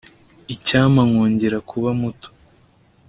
icyampa nkongera kuba muto